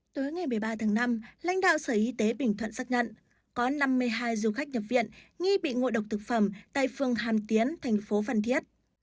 tối ngày một mươi ba tháng năm lãnh đạo sở y tế bình thuận xác nhận có năm mươi hai du khách nhập viện nghi bị ngộ độc thực phẩm tại phường hàm tiến thành phố phan thiết